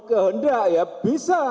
kehendak ya bisa